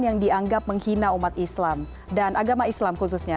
yang dianggap menghina umat islam dan agama islam khususnya